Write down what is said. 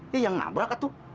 ya yang nabrak itu